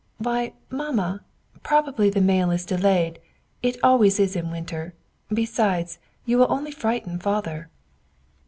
"Why, Mamma, probably the mail is delayed; it always is in winter. Besides, you will only frighten Father."